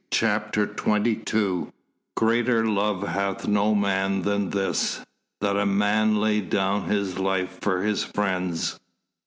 CHAPTER XXII "Greater love hath no man than this, that a man lay down his life for his friends."